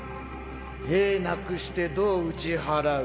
兵なくしてどう打ち払う？